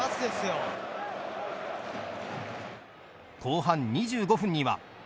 後半２５分には。